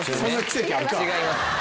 違います。